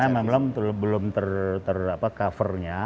karena memang belum tercovernya